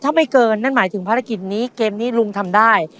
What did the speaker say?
ถ้าไม่เกินนั่นหมายถึงภารกิจนี้เกมนี้ลุงทำได้